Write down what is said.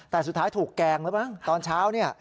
แต่สุดท้ายถูกแกงแล้วป่ะตอนเช้านี่